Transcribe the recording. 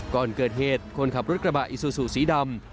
ก่อนเกิดเหตุคนขับรถกระบะอิซูซูสีดำ